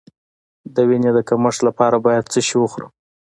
د وینې د کمښت لپاره باید څه شی وخورم؟